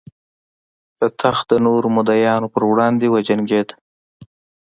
د تخت د نورو مدعیانو پر وړاندې وجنګېد.